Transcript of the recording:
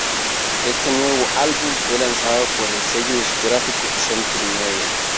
Este nuevo álbum fue lanzado por el sello discográfico Century Media.